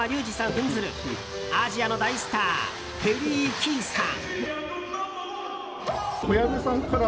扮するアジアの大スターペリー・キーさん。